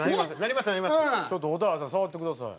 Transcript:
ちょっと蛍原さん触ってください。